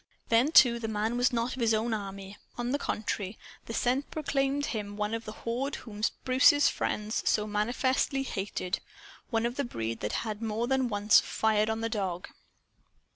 Then, too, the man was not of his own army. On the contrary, the scent proclaimed him one of the horde whom Bruce's friends so manifestly hated one of the breed that had more than once fired on the dog.